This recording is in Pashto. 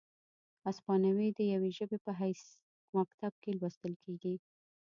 هسپانیوي د یوې ژبې په حیث مکتب کې لوستل کیږي،